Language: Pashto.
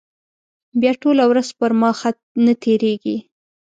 بیا ټوله ورځ پر ما ښه نه تېرېږي.